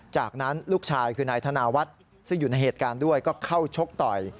จากนั้นลูกชายคือนายธนาวัฒน์ซึ่งอยู่ในเหตุการณ์ด้วยก็เข้าชกต่อย